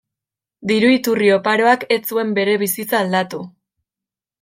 Diru iturri oparoak ez zuen bere bizitza aldatu.